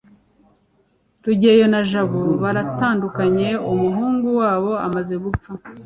rugeyo na jabo baratandukanye umuhungu wabo amaze gupfa